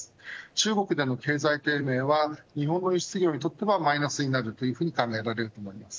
中国での経済低迷は日本の輸出業にとってもマイナスになると考えられます。